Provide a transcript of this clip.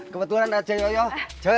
kebetulan aja yoyo cuk